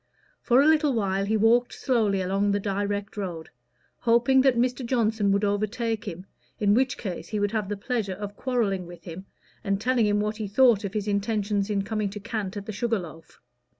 For a little while he walked slowly along the direct road, hoping that Mr. Johnson would overtake him, in which case he would have the pleasure of quarrelling with him, and telling him what he thought of his intentions in coming to cant at the Sugar Loaf.